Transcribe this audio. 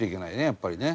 やっぱりね。